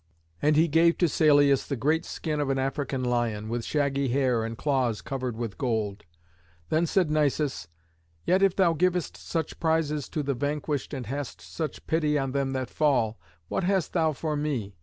And he gave to Salius the great skin of an African lion, with shaggy hair and claws covered with gold. Then said Nisus, "Yet, if thou givest such prizes to the vanquished and hast such pity on them that fall, what hast thou for me?